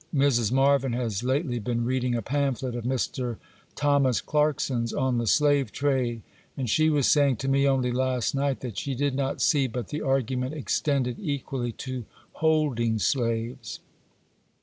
Mrs. Marvyn has lately been reading a pamphlet of Mr. Thomas Clarkson's on the slave trade, and she was saying to me only last night, that she did not see but the argument extended equally to holding slaves.